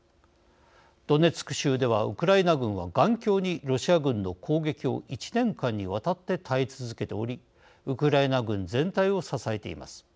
ドネツク州では、ウクライナ軍は頑強にロシア軍の攻撃を１年間にわたって耐え続けておりウクライナ軍全体を支えています。